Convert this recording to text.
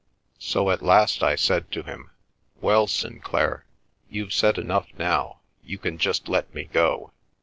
So at last I said to him, 'Well, Sinclair, you've said enough now. You can just let me go.